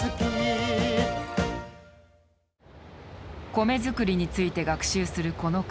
米作りについて学習するこの回。